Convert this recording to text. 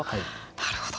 なるほど。